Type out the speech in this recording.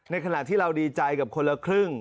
ขณะที่เราดีใจกับคนละครึ่ง